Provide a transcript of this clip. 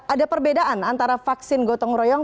ada perbedaan antara vaksin gotong royong